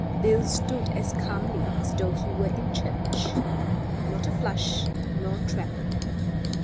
Bill stood as calmly as though he were in church. Not a flush nor tremor.